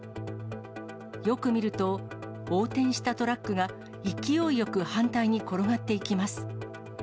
よく見ると、横転したトラックが、勢いよく反対に転がっていきます。